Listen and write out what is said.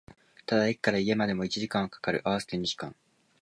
ただ、駅から家までも一時間は掛かる、合わせて二時間